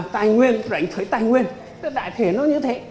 tài nguyên rảnh thuế tài nguyên đại thể nó như thế